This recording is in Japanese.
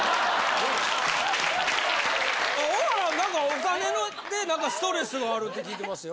小原なんかお金でストレスがあるって聞いてますよ。